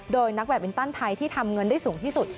โดยนักแบตมินตันไทยที่ทำเงินได้สูงที่สุด